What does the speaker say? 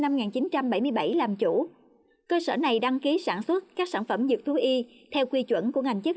năm một nghìn chín trăm bảy mươi bảy làm chủ cơ sở này đăng ký sản xuất các sản phẩm dược thú y theo quy chuẩn của ngành chức